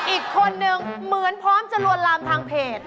อีกคนนึงเหมือนพร้อมจะลวนลามทางเพจ